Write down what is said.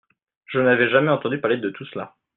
Je n'avais jamais entendu parler de tout cela !